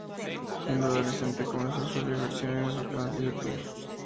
Siendo adolescente comenzó a subir versiones a su canal de YouTube.